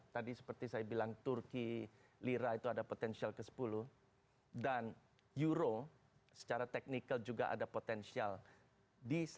tadi seperti saya bilang turki lira itu ada potensial ke sepuluh dan euro secara teknikal juga ada potensial di satu